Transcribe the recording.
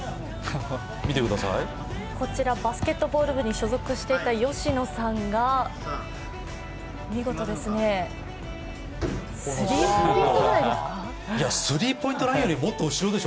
バスケットボール部に所属していた吉野さんが、見事ですね、スリーポイントぐらいですか？